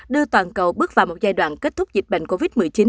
đưa toàn cầu bước vào một giai đoạn kết thúc dịch bệnh covid một mươi chín